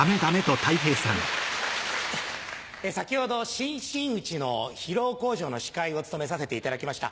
先ほど新真打の披露口上の司会を務めさせていただきました。